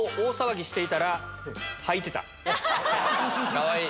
かわいい！